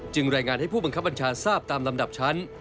รายงานให้ผู้บังคับบัญชาทราบตามลำดับชั้น